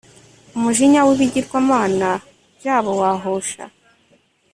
umujinya wibigirwamana byabo wahosha